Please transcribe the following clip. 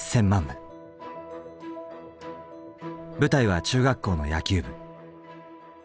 舞台は中学校の野球部。